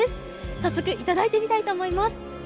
早速頂いてみたいと思います。